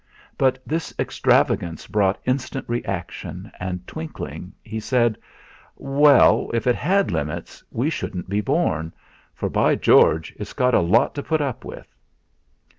But this extravagance brought instant reaction, and, twinkling, he said: "Well, if it had limits, we shouldn't be born; for by George! it's got a lot to put up with."